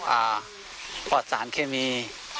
อ่าปลอดสารเคมี